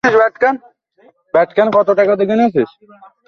ধর্মনিরপেক্ষতার মুখোশ পরা এ জবরদখলকারী সরকারের হাতে কোনো ধর্মের মানুষই নিরাপদ নয়।